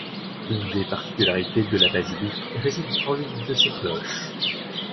Une des particularités de la basilique réside en l’une de ses cloches.